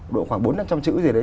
độ khoảng bốn trăm linh chữ gì đấy